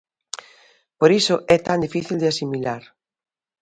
Por iso é tan difícil de asimilar.